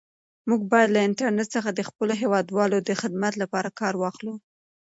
موږ باید له انټرنیټ څخه د خپلو هیوادوالو د خدمت لپاره کار واخلو.